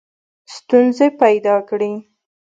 ستونزي پیدا کړې.